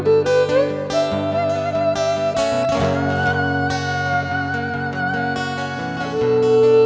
แคลนเค้าตามเป็นที่เล่น